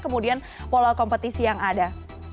kemudian pola kompetisi yang ada